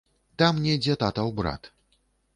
Там недзе татаў брат.